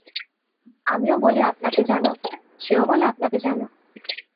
আমিও বলি আপনাকে জানো, সেও বলে আপনাকে জানো।